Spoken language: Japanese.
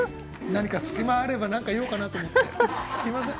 何か、隙間あれば何か言おうかなと思って。